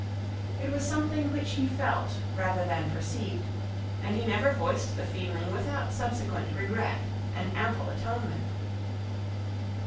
It was something which he felt rather than perceived, and he never voiced the feeling without subsequent regret and ample atonement.